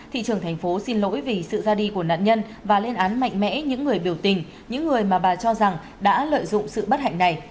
thị trường thành phố xin lỗi vì sự ra đi của nạn nhân và lên án mạnh mẽ những người biểu tình những người mà bà cho rằng đã lợi dụng sự bất hạnh này